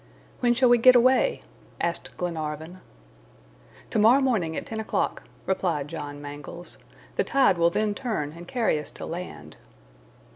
"When shall we get away?" asked Glenarvan. "To morrow morning at ten o'clock," replied John Mangles. "The tide will then turn and carry us to land."